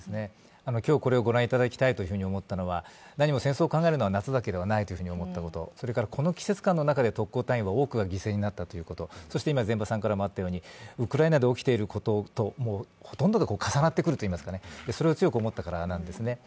今日これを御覧いただきたいと思ったのは、何も戦争を考えるのは夏だけではないと思ったこと、そしてこの季節感の中で特攻隊員は多くが犠牲になったということ、そしてウクライナで起きていることとほとんど重なってくるとそれを強く思ったからなんですね。